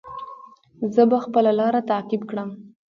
زه به خپله لاره تعقیب کړم.